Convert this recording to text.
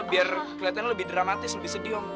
biar kelihatannya lebih dramatis lebih sedih om